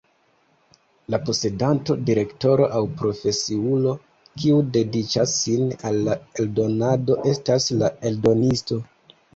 La posedanto, direktoro aŭ profesiulo, kiu dediĉas sin al la eldonado estas la eldonisto.